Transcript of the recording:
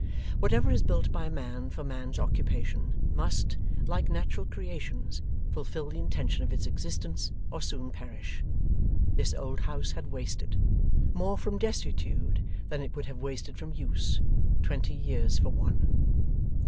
Whatever is built by man for man's occupation, must, like natural creations, fulfil the intention of its existence, or soon perish. This old house had wasted more from desuetude than it would have wasted from use, twenty years for one.